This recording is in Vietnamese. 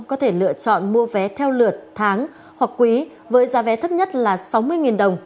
có thể lựa chọn mua vé theo lượt tháng hoặc quý với giá vé thấp nhất là sáu mươi đồng